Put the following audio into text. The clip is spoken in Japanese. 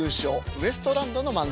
ウエストランドの漫才。